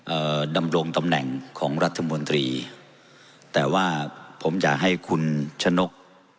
ดำรงตำแหน่งของรัฐมนตรีแต่ว่าผมอยากให้คุณชะนก